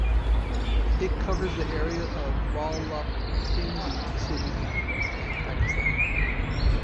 It covers the area of Rawalpindi City in Pakistan.